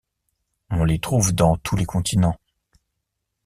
On les trouve dans tous les continents.